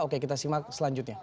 oke kita simak selanjutnya